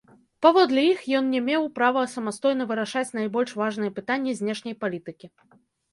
Паводле іх ён не меў права самастойна вырашаць найбольш важныя пытанні знешняй палітыкі.